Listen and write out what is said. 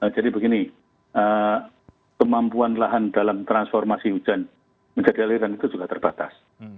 jadi begini kemampuan lahan dalam transformasi hujan menjadi aliran itu juga terbatas